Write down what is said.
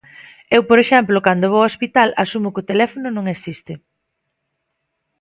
Eu por exemplo cando vou ao hospital asumo que o teléfono non existe.